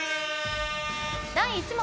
第１問。